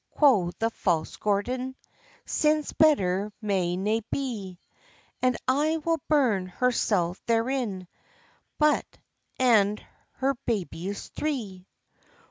quo' the false Gordon, "Since better may nae be; And I will burn hersel' therein, Bot and her babies three."